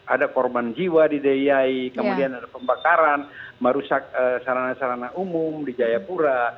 ada korban jiwa di deyai kemudian ada pembakaran merusak sarana sarana umum di jayapura